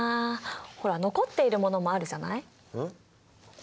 ほら残っているものもあるじゃない？